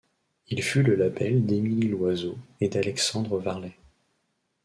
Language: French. Il fut le label d'Emily Loizeau et d'Alexandre Varlet.